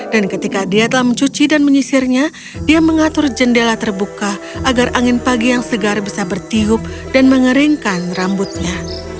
dan ketika dia telah mencuci dan menyisirnya dia mengatur jendela terbuka agar angin pagi yang segar bisa bertiup dan mengeringkan rambutnya